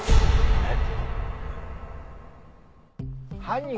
えっ？